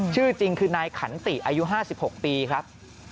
ชื่อจริงคือนายขันติอายุ๕๖ปีครับ